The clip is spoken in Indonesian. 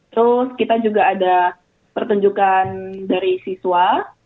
terus kita juga ada pertunjukan dari siswa